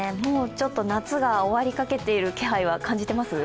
夏が終わりかけている気配は感じています？